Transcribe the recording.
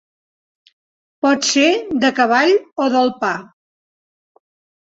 Pot ser de cavall o del pa.